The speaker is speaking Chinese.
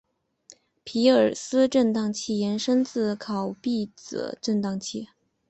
皮尔斯震荡器衍生自考毕子振荡器。